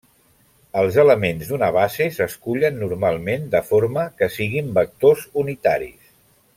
Els elements d'una base s'escullen normalment de forma que siguin vectors unitaris.